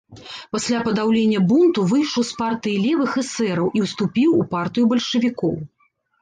Пасля падаўлення бунту выйшаў з партыі левых эсэраў і ўступіў у партыю бальшавікоў.